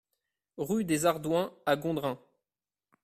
Rue des Ardouens à Gondrin